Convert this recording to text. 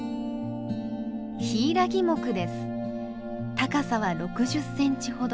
高さは６０センチほど。